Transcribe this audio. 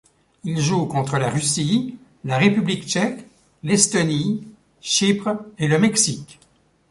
Il joue contre la Russie, la République tchèque, l'Estonie, Chypre et le Mexique.